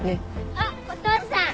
あっお父さん！